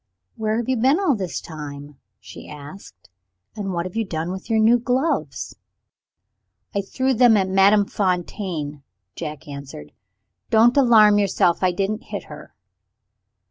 "Where have you been all this time?" she asked. "And what have you done with your new gloves?" "I threw them at Madame Fontaine," Jack answered. "Don't alarm yourself. I didn't hit her."